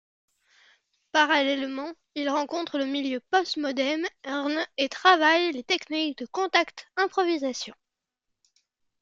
Parallèlement, il rencontre le milieu post-modern et travaille les techniques de contact improvisation.